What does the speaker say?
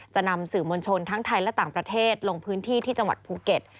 นำสื่อมวลชนทั้งไทยและต่างประเทศลงพื้นที่ที่จังหวัดภูเก็ต